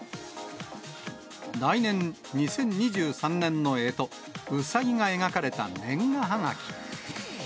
来年２０２３年のえと、うさぎが描かれた年賀はがき。